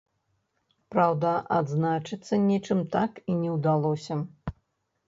Праўда, адзначыцца нечым так і не ўдалося.